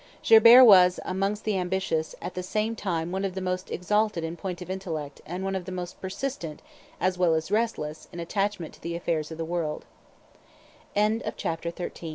Gerbert was, amongst the ambitious, at the same time one of the most exalted in point of intellect and one of the most persistent as well as restless in attachment to the affai